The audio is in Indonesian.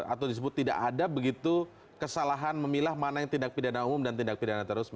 atau disebut tidak ada begitu kesalahan memilah mana yang tindak pidana umum dan tindak pidana terorisme